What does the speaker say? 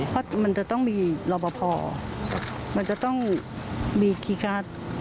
เพราะมันจะต้องมีรอปภมันจะต้องมีคีย์การ์ด